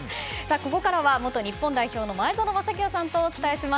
ここからは元日本代表の前園真聖さんとお伝えします。